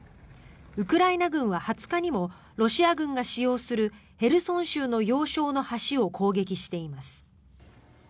ウクライナ軍は２０日にもロシア軍が使用するヘルソン州の要衝の橋を攻撃しています。